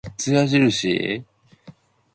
"In Spanish unless otherwise noted:"